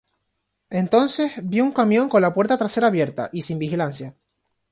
Entonces, vio un camión con la puerta trasera abierta, y sin vigilancia.